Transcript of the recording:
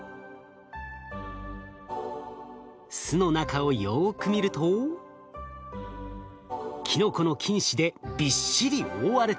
巣の中をよく見るとキノコの菌糸でびっしり覆われています。